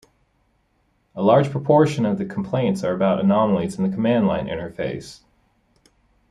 A large proportion of the complaints are about anomalies in the command line interface.